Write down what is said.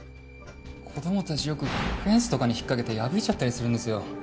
子供たちよくフェンスとかに引っ掛けて破いちゃったりするんですよ